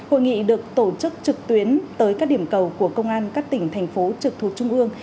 hội nghị được tổ chức trực tuyến tới các điểm cầu của công an các tỉnh thành phố trực thuộc trung ương